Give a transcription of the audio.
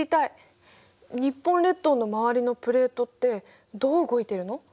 日本列島の周りのプレートってどう動いてるの？